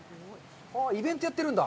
イベントをやってるんだ。